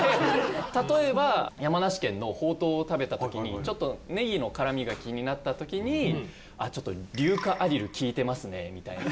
例えば山梨県のほうとうを食べた時にちょっとネギの辛みが気になった時に「あっちょっと硫化アリル利いてますね」みたいな。